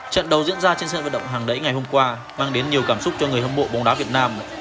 trận đầu diễn ra trên sân vận động hàng đẩy ngày hôm qua mang đến nhiều cảm xúc cho người hâm mộ bóng đá việt nam